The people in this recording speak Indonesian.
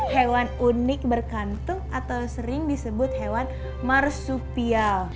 hewan unik berkantung atau sering disebut hewan marsupial